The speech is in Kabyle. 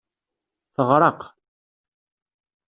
Teɣreq.